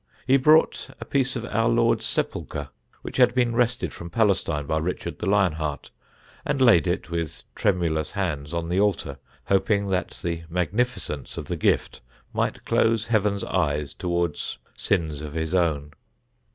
He brought a piece of our Lord's sepulchre, which had been wrested from Palestine by Richard the Lion Heart, and laid it with tremulous hands on the altar, hoping that the magnificence of the gift might close Heaven's eyes towards sins of his own.